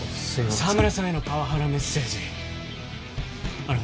沢村さんへのパワハラメッセージあれ